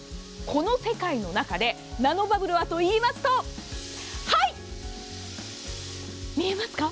この世界の中でナノバブルはといいますとはい、見えますか？